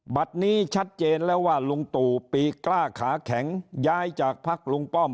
บัตรนี้ชัดเจนแล้วว่าลุงตู่ปีกล้าขาแข็งย้ายจากพักลุงป้อม